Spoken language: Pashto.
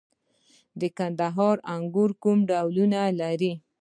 د کندهار انګور کوم ډولونه لري؟